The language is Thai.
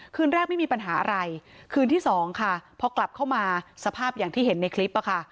คืนแรกไม่มีปัญหาอะไรคืนที่สองค่ะพอกลับเข้ามาสภาพอย่างที่เห็นในคลิปอะค่ะ